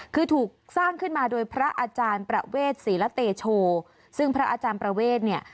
คือถูกสร้างขึ้นมาโดยพระอาจารย์ประเวทศรีละเตโชซึ่งพระอาจารย์ประเวทเนี่ย